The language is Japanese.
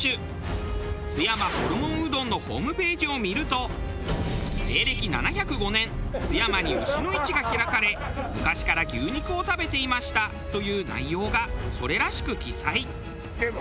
津山ホルモンうどんのホームページを見ると「西暦７０５年津山に牛の市が開かれ昔から牛肉を食べていました」という内容がそれらしく記載。